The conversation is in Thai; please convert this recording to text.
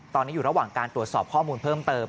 ตอนนี้อยู่ระหว่างการตรวจสอบข้อมูลเพิ่มเติม